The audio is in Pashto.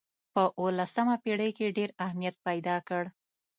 په اولسمه پېړۍ کې یې ډېر اهمیت پیدا کړ.